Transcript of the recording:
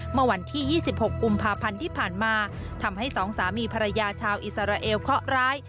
เมื่อวันที่๒๖กุมภาพันธ์ที่ผ่านมาทำให้สองสามีภรรยาชาวอิสราเอลเคาะร้าย